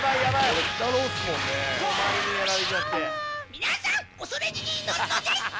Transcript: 「皆さん恐れずに祈るのです！」